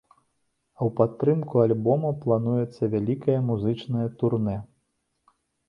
А ў падтрымку альбома плануецца вялікае музычнае турнэ.